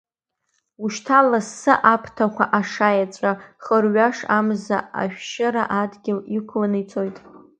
Ушьҭа, лассы аԥҭақәа ашаеҵәа хырҩаш, амза ашәшьыра адгьыл иқәланы ицоит.